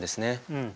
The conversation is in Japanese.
うん。